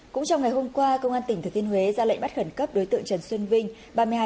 cũng trong ngày hôm qua công an tỉnh thừa thiên huế ra lệnh bắt khẩn cấp đối tượng trần xuân vinh